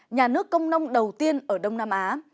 nhà nước công nông đầu tiên ở đông nam á